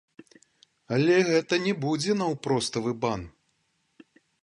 Але гэта не будзе наўпроставы бан.